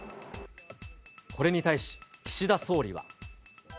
これに対し、岸田総理は。